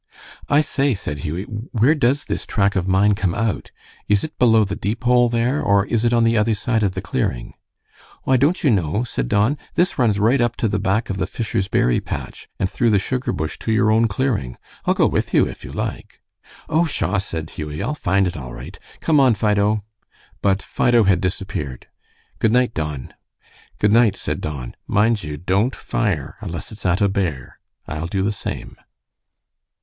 "I say," said Hughie, "where does this track of mine come out? Is it below the Deepole there, or is it on the other side of the clearing?" "Why, don't you know?" said Don. "This runs right up to the back of the Fisher's berry patch, and through the sugar bush to your own clearing. I'll go with you if you like." "Oh, pshaw!" said Hughie, "I'll find it all right. Come on, Fido." But Fido had disappeared. "Good night, Don." "Good night," said Don. "Mind you don't fire unless it's at a bear. I'll do the same."